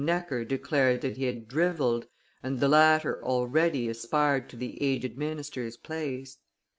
Necker declared that he drivelled, and the latter already aspired to the aged minister's place.